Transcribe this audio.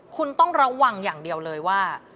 คุณต้องระวังอย่างเดียวเลยว่า